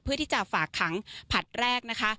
เพื่อที่จะฝากขังผัดแรก